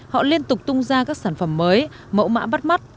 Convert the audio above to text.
họ liên tục tung ra các sản phẩm mới mẫu mã bắt mắt